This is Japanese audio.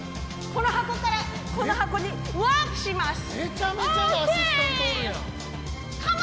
この箱からこの箱にワープします